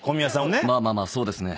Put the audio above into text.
まあまあまあそうですね。